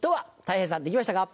たい平さんできましたか？